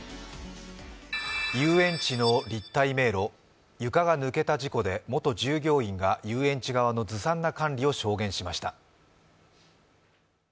遊園地の立体迷路、床が抜けた事故で元従業員が遊園地側のずさんな管理を証言しました。